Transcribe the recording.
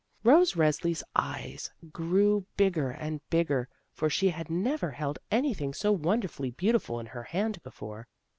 Rose Resli's eyes grew bigger and bigger, for she had never held anything so wonderfully beautiful in her hand before.